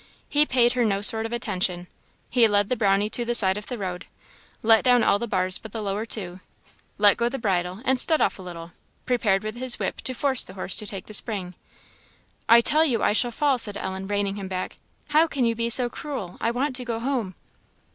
He paid her no sort of attention. He led the Brownie to the side of the road, let down all the bars but the lower two, let go the bridle, and stood a little off, prepared with his whip to force the horse to take the spring. "I tell you I shall fall," said Ellen, reining him back. "How can you be so cruel! I want to go home!"